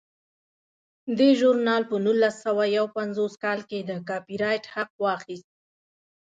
دې ژورنال په نولس سوه یو پنځوس کال کې د کاپي رایټ حق واخیست.